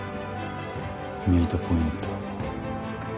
ミートポイント。